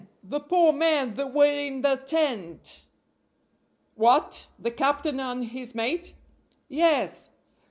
the poor men that were in the tent?" "What! the captain and his mate?" "Yes!"